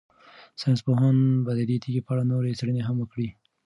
ساینس پوهان به د دې تیږې په اړه نورې څېړنې هم وکړي.